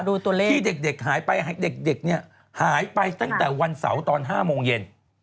ดูตัวเลขที่เด็กเด็กหายไปให้เด็กเด็กเนี้ยหายไปตั้งแต่วันเสาร์ตอนห้าโมงเย็น